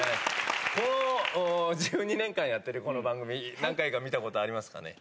この１２年間やっているこの番組、何回か見たことありますかね？